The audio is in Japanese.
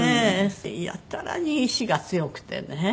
やたらに意志が強くてね。